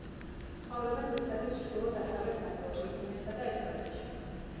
ცხოვრობენ რუსეთის ჩრდილო-დასავლეთ ნაწილში, ფინეთსა და ესტონეთში.